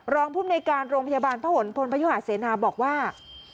ภูมิในการโรงพยาบาลพระหลพลพยุหาเสนาบอกว่า